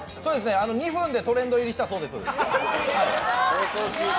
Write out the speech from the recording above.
２分でトレンド入りしたそうです。